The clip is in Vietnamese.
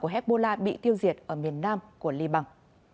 của hebbula bị tiêu diệt ở miền nam của liban